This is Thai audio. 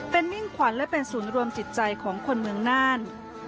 เป็นมิ่งขวัญและเป็นศูนย์รวมจิตใจของคนเมืองน่าน